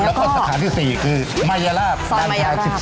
แล้วก็สาขาที่๔คือมายาราบด้านทาง๑๔